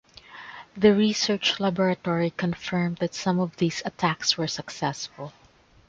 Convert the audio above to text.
The research laboratory confirmed that some of these attacks were successful.